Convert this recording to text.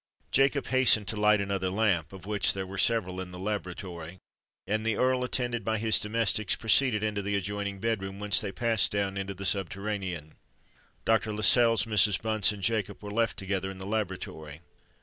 Jacob hastened to light another lamp (of which there were several in the laboratory); and the Earl, attended by his domestics, proceeded into the adjoining bed room, whence they passed down into the subterranean. Dr. Lascelles, Mrs. Bunce, and Jacob were left together in the laboratory.